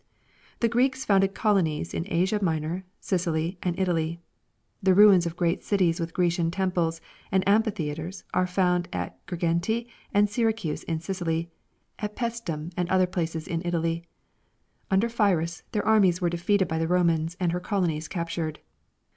The Greeks founded colonies in Asia Minor, Sicily, and Italy. The ruins of great cities with Grecian temples and amphitheaters are found at Girgenti and Syracuse in Sicily, at Psestum and other places in Italy. Under Pyrrhus, their armies were defeated by the Romans and her colonies captured.